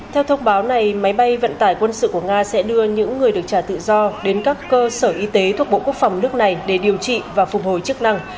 theo thông báo này máy bay vận tải quân sự của nga sẽ đưa những người được trả tự do đến các cơ sở y tế thuộc bộ quốc phòng nước này để điều trị và phục hồi chức năng